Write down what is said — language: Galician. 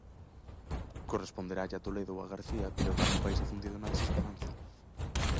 Corresponderalle a Toledo ou a García pilotar un país afundido na desesperanza.